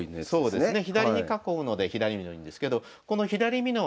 そうですね。